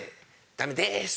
「ダメです」。